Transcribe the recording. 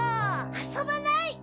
あそばない！